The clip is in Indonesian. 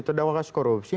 terdapat kasus korupsi